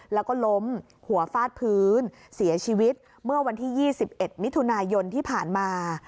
แล้วก็ล้มหัวฟาดพื้นเสียชีวิตเมื่อวันที่๒๑มิถุนายนที่ผ่านมา